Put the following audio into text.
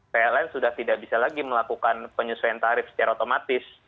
pln sudah tidak bisa lagi melakukan penyesuaian tarif secara otomatis